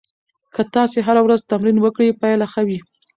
که تاسو هره ورځ تمرین وکړئ، پایله ښه وي.